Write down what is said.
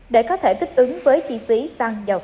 để có thể thích ứng với chi phí xăng